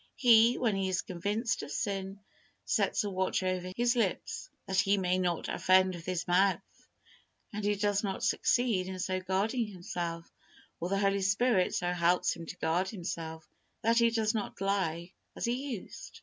He, when he is convinced of sin, sets a watch over his lips, that he may not offend with his mouth, and he does succeed in so guarding himself, or the Holy Spirit so helps him to guard himself, that he does not lie as he used.